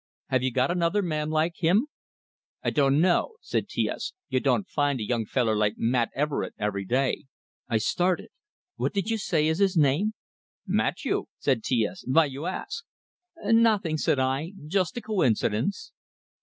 Have you got another man like him?" "I dunno," said T S. "You don't find a young feller like Matt Everett everyday." I started. "What do you say is his name?" "Matthew," said T S. "Vy you ask?" "Nothing," said I; "just a coincidence!"